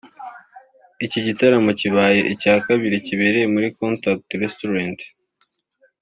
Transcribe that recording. Iki gitaramo kibaye icya kabiri kibereye muri Contact Restaurant